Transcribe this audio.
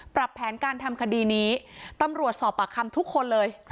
ปรับแผนการทำคดีนี้ตำรวจสอบปากคำทุกคนเลย